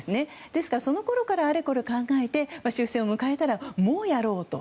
ですから、そのころからあれこれ考えて終戦を迎えたらもう、やろうと。